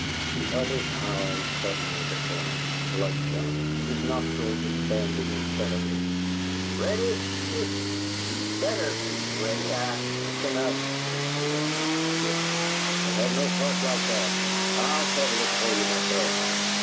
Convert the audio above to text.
The other's eyes suddenly became bloodshot, his nostrils expanding incredibly. "READY, is he? He BETTER be ready. I " "That's enough!" Joe interrupted, swiftly. "We'll have no talk like that. I'll settle this for you, myself.